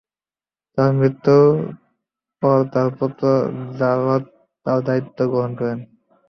তার মৃত্যুর পর তাঁর পুত্র য়ারদ তার দায়িত্বভার গ্রহণ করেন।